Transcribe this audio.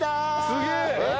すげえ！